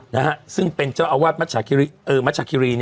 นะฮะซึ่งเป็นเจ้าอาวาสมัชกิริเออมัชกิริเนี่ยนะฮะ